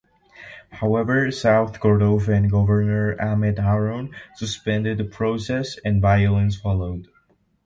However, South Kordofan governor Ahmed Haroun suspended the process and violence followed.